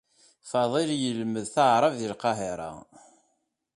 Faḍil yelmed taɛṛabt deg Lqahiṛa.